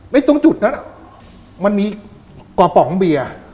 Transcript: ตรงจุดนั้นมันมีกระป๋องเบียร์